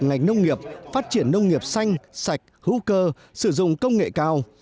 ngành nông nghiệp phát triển nông nghiệp xanh sạch hữu cơ sử dụng công nghệ cao